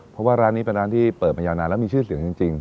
เพราะว่าร้านนี้เป็นร้านที่เปิดมายาวนานแล้วมีชื่อเสียงจริง